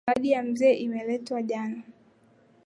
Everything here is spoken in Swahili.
Zawadi ya mzee imeletwa jana.